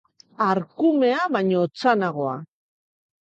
Arkumea baino otzanagoa.